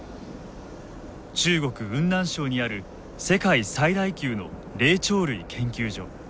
中国・雲南省にある世界最大級の霊長類研究所。